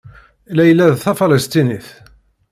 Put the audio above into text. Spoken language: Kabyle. Layla d Tafalesṭinit.